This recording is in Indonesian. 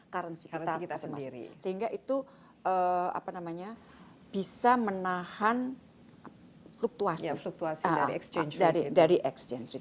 currency kita sendiri sehingga itu apa namanya bisa menahan fluktuasi fluktuasi dari exchange